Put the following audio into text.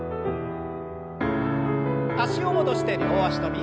脚を戻して両脚跳び。